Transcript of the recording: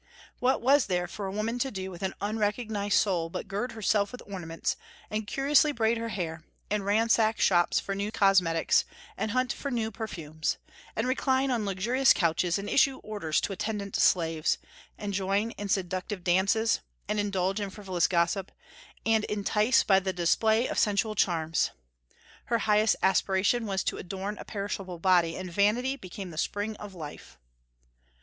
What was there for a woman to do with an unrecognized soul but gird herself with ornaments, and curiously braid her hair, and ransack shops for new cosmetics, and hunt for new perfumes, and recline on luxurious couches, and issue orders to attendant slaves, and join in seductive dances, and indulge in frivolous gossip, and entice by the display of sensual charms? Her highest aspiration was to adorn a perishable body, and vanity became the spring of life.